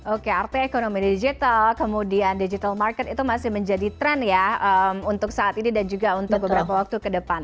oke artinya ekonomi digital kemudian digital market itu masih menjadi tren ya untuk saat ini dan juga untuk beberapa waktu ke depan